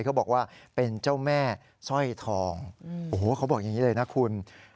เขาบอกว่าเป็นเจ้าแม่สร้อยทองโอ้โหเขาบอกอย่างนี้เลยนะคุณ